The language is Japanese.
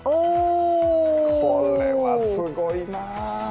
これはすごいな。